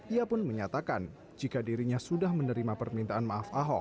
ia pun menyatakan jika dirinya sudah menerima permintaan maaf ahok